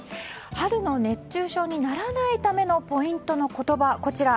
春の熱中症にならないためのポイントの言葉、こちら。